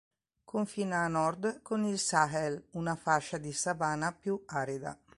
Confina a nord con il Sahel, una fascia di savana più arida.